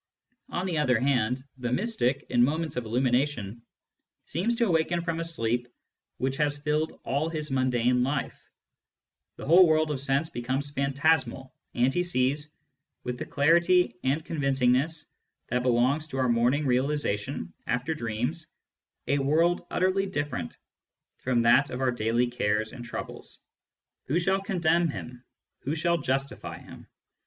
On the other hand, the mystic, in moments of illumination, seems to awaken from a sleep which has filled all his mundane life: the whole world of sense becomes phantasmal, and he sees, with the clarity and convincingness that belongs to our morning realisa tion after dreams, a world utterly diflPerent from that of our daily cares and troubles. Who shall condemn him ? Who shall justify him